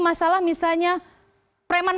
masalah misalnya preman